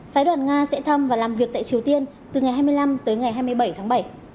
phái đoàn nga sẽ thăm và làm việc tại triều tiên từ ngày hai mươi năm tới ngày hai mươi bảy tháng bảy